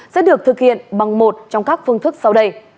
sẽ được thực hiện bằng một trong các phương thức sau đây